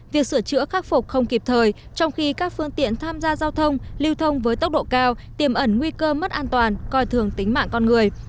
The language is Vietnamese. việc sửa chữa khắc phục không kịp thời trong khi các phương tiện tham gia giao thông lưu thông với tốc độ cao tiềm ẩn nguy cơ mất an toàn coi thường tính mạng con người